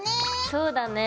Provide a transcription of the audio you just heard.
そうだね。